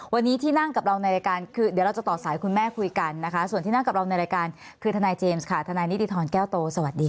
วันนี้ที่นั่งกับเราในรายการคือเดี๋ยวเราจะต่อสายคุณแม่คุยกันนะคะส่วนที่นั่งกับเราในรายการคือทนายเจมส์ค่ะทนายนิติธรแก้วโตสวัสดีค่ะ